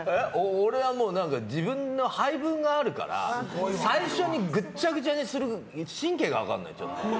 俺は自分の配分があるから最初にぐっちゃぐちゃにする神経が分からない。